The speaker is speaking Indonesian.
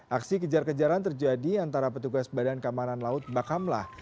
aksi kejar kejaran terjadi antara petugas badan keamanan laut bakamlah